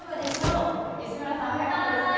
吉村さん早かったですね。